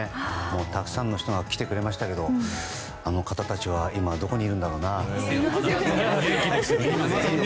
たくさんの人が来てくれましたがあの方たちは今どこにいるんだろうな。